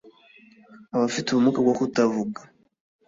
“Abafite ubumuga bwo kutavuga